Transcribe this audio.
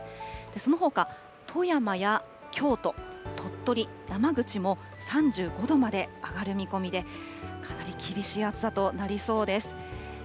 そのほか富山や京都、鳥取、山口も３５度まで上がる見込みで、かなり厳しい暑さとなりそうです。